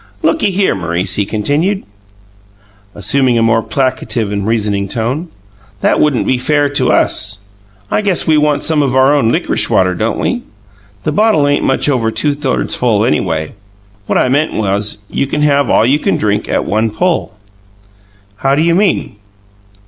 "Looky here, M'rice," he continued, assuming a more placative and reasoning tone, "that wouldn't be fair to us. I guess we want some of our own lickrish water, don't we? The bottle ain't much over two thirds full anyway. What I meant was, you can have all you can drink at one pull." "How do you mean?"